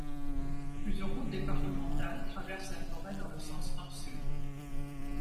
Plusieurs routes départementales traversent la forêt dans le sens nord-sud.